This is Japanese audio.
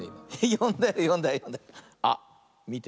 よんだよよんだよよんだよ。あっみて。